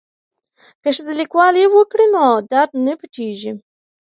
که ښځې لیکوالي وکړي نو درد نه پټیږي.